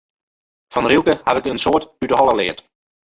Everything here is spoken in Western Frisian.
Fan Rilke haw ik in soad út de holle leard.